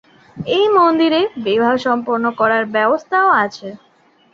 এই মন্দিরে বিবাহ সম্পন্ন করার ব্যবস্থাও আছে।